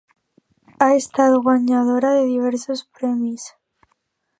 Ha estat guanyadora de diversos premis.